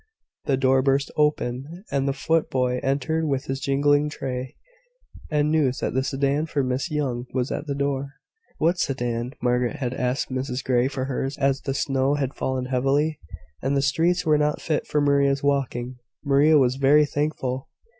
The door burst open, and the foot boy entered with his jingling tray, and news that the sedan for Miss Young was at the door. What sedan? Margaret had asked Mrs Grey for hers, as the snow had fallen heavily, and the streets were not fit for Maria's walking. Maria was very thankful.